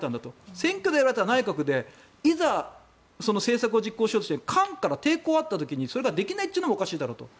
選挙で選ばれた内閣でいざ政策を実行しようとして官から抵抗があった時にそれができないというのもおかしいだろうと。